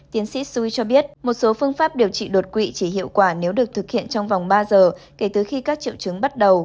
tiến sĩ sui cho biết một số phương pháp điều trị đột quỵ chỉ hiệu quả nếu được thực hiện trong vòng ba giờ kể từ khi các triệu chứng bắt đầu